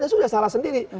ya sudah salah sendiri